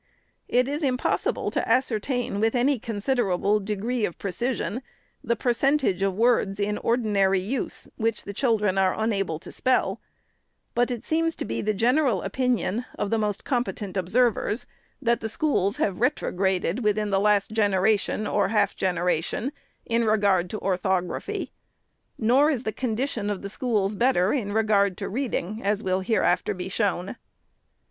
It is impossible to ascertain with any considerable degree of precision the percentage of words in ordinary use which the children are unable to spell ; but it seems to be the general opinion of the most competent observers, that the schools have retrograded within the last genera tion or half generation in regard to orthography. Nor is the condition of the schools better in regard to read ing, as will hereafter be shown.